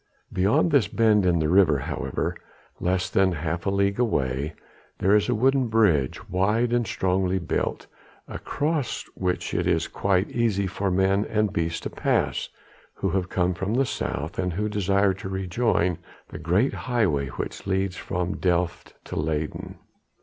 Beyond this bend in the river, however, less than half a league away, there is a wooden bridge, wide and strongly built, across which it is quite easy for men and beasts to pass who have come from the south and desire to rejoin the great highway which leads from Delft to Leyden.